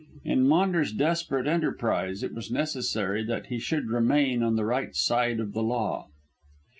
In Maunders' desperate enterprise it was necessary that he should remain on the right side of the law.